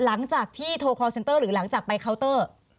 หลังจากที่โทรคอร์เซ็นเตอร์หรือหลังจากไปเคาน์เตอร์